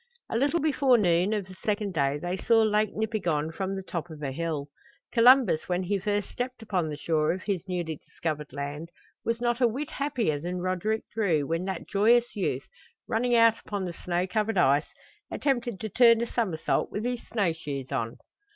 A little before noon of the second day they saw Lake Nipigon from the top of a hill. Columbus when he first stepped upon the shore of his newly discovered land was not a whit happier than Roderick Drew when that joyous youth, running out upon the snow covered ice, attempted to turn a somersault with his snow shoes on!